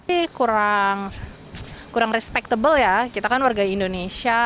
ini kurang respectable ya kita kan warga indonesia